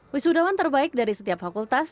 wisudawan terbaik dari setiap fakultas